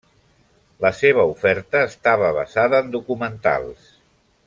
La seva oferta estava basada en documentals.